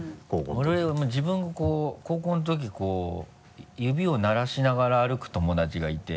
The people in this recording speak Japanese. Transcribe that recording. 俺自分が高校のときこう指を鳴らしながら歩く友達がいて。